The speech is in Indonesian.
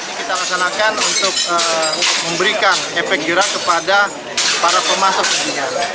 ini kita laksanakan untuk memberikan efek jerak kepada para pemasok tentunya